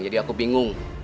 jadi aku bingung